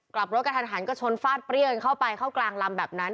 กลับรถกระทันหันก็ชนฟาดเปรี้ยงเข้าไปเข้ากลางลำแบบนั้น